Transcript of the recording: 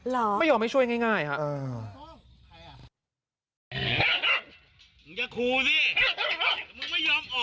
เหรอไม่ยอมให้ช่วยง่ายค่ะ